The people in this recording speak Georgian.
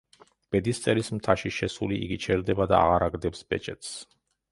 ბედისწერის მთაში შესული, იგი ჩერდება და აღარ აგდებს ბეჭედს.